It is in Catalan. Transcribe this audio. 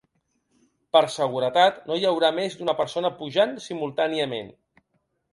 Per seguretat, no hi haurà més d’una persona pujant simultàniament.